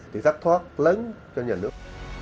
thì thất thoát lớn cho nhà nước